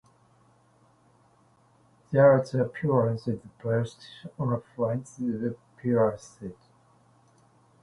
Thayet's appearance is based on a friend of Pierce's.